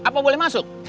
apa boleh masuk